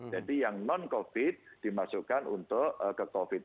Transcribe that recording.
jadi yang non covid dimasukkan untuk ke covid